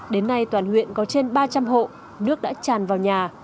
đến nay toàn huyện có trên ba trăm linh hộ nước đã tràn vào nhà